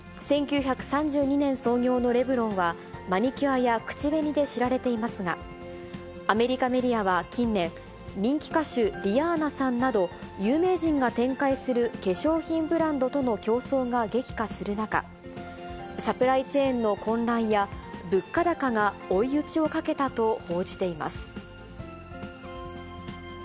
１９３２年創業のレブロンは、マニキュアや口紅で知られていますが、アメリカメディアは近年、人気歌手、リアーナさんなど有名人が展開する化粧品ブランドとの競争が激化する中、サプライチェーンの混乱や、物価高が追い打ちをかけたと報じています。